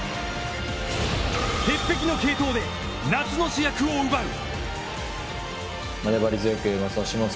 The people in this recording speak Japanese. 鉄壁の継投で夏の主役を奪う！